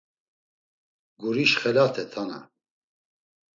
Guriş xelate, Tana!